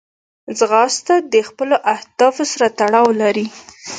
ځغاسته د خپلو اهدافو سره تړاو لري